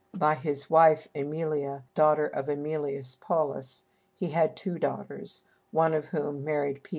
By his wife Æmilia, daughter of Æmilius Paullus, he had two daughters, one of whom married P.